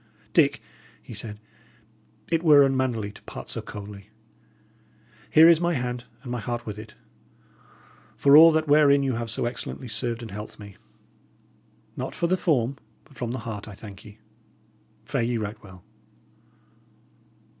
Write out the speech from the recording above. "Dick," he said, "it were unmannerly to part so coldly. Here is my hand, and my heart with it. For all that wherein you have so excellently served and helped me not for the form, but from the heart, I thank you. Fare ye right well."